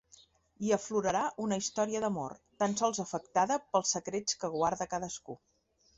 Hi aflorarà una història d’amor, tan sols afectada pels secrets que guarda cadascú.